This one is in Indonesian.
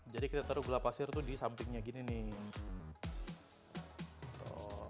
jadi kita taruh gula pasir tuh di sampingnya gini nih